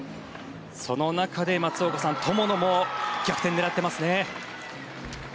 その中で松岡さん友野も逆転を狙っていますね。